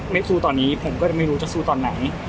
สู้ตอนนี้ผมก็จะไม่รู้จะสู้ตอนไหน